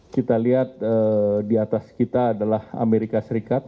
kita lihat di atas kita adalah amerika serikat